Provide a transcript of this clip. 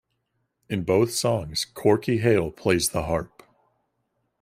In both songs Corky Hale plays the Harp.